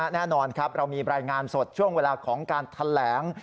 แน่นอนครับเรามีรายงานสดช่วงเวลาของการแถลง